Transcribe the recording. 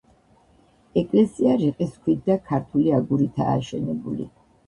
ეკლესია რიყის ქვით და ქართული აგურითაა აშენებული.